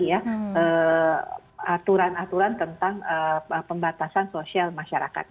jadi ya aturan aturan tentang pembatasan sosial masyarakat